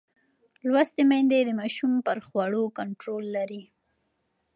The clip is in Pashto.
لوستې میندې د ماشوم پر خوړو کنټرول لري.